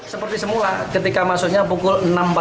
seperti semula ketika masuknya pukul enam empat puluh